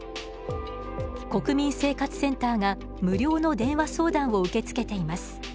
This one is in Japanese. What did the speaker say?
国民生活センターが無料の電話相談を受け付けています。